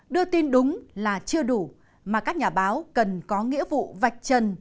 đưa tin đúng là chưa đủ mà các nhà báo cần có nghĩa vụ vạch trần